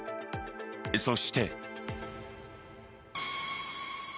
そして。